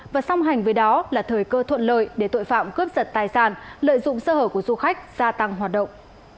và song hành với đó là thời cơ thuận lợi để tội phạm cướp giật tài sản lợi dụng sơ hở của du khách gia tăng hoạt động